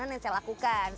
cumbung tubuh ini